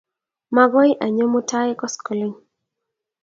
Makoy anyo mutai koskoling'